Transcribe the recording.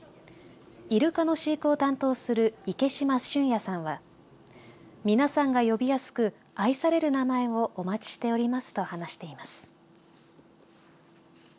イルカの飼育を担当する池島隼哉さんは皆さんが呼びやすく愛される名前をお待ちしておりますと話しています。